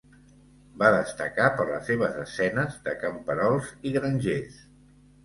Va destacar per les seves escenes de camperols i grangers.